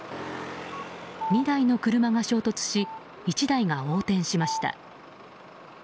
２台の車が衝突し１台が横転しました。